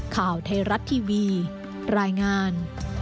ข่าวไทยรัฐทีวีรายงาน